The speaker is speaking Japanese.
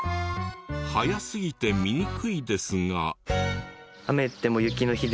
速すぎて見にくいですが。